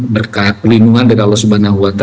berkat pelindungan dari allah swt